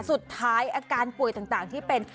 สุดท้ายอาการป่วยต่างที่เป็น